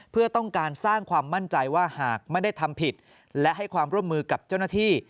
เพื่อต้องการสร้างความมั่นใจว่าหากไม่ได้ทำผิดและให้ความร่วมมือกับเจ้าหน้าที่